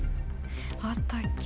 あったっけ？